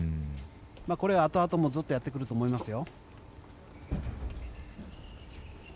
これは後々もずっとやってくると思いますよ。